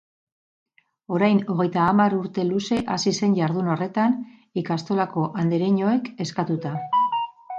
Orain hogeita hamar urte luze hasi zen jardun horretan, ikastolako andereñoek eskatuta.